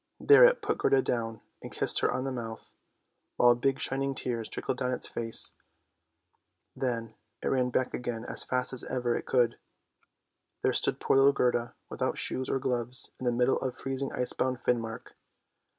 There it put Gerda down, and kissed her on the mouth, while big shining tears trickled down its face. Then it ran back again as fast as ever it could. There stood poor little Gerda, without shoes or gloves, in the middle of freezing icebound Finmark.